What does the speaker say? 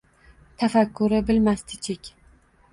Tafakkuri bilmasdi chek